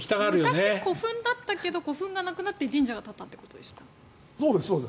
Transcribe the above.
昔、古墳だったけど古墳がなくなって神社が建ったということですか？